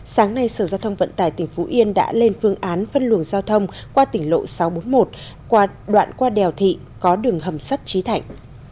sáng nay sở giao thông vận tải tỉnh phú yên đã lên phương án phân luồng giao thông qua tỉnh lộ sáu trăm bốn mươi một đoạn qua đèo thị có đường hầm sắt trí thạnh